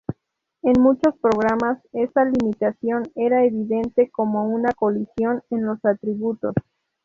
En muchos programas, esta limitación era evidente como una colisión en los atributos.